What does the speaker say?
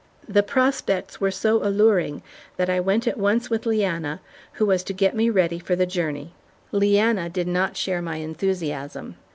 The prospects were so alluring that I went at once with Leanna, who was to get me ready for the journey. Leanna did not share my enthusiasm.